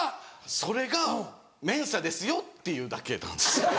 それがＭＥＮＳＡですよっていうだけなんです。